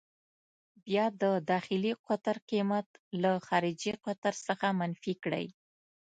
بیا د داخلي قطر قېمت له خارجي قطر څخه منفي کړئ.